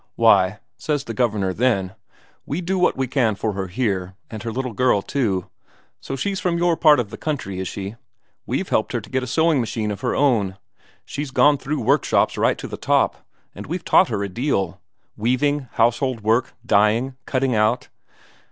'Why,' says the Governor then, 'we do what we can for her here, and her little girl too. So she's from your part of the country, is she? We've helped her to get a sewing machine of her own; she's gone through the workshops right to the top, and we've taught her a deal weaving, household work, dyeing, cutting out.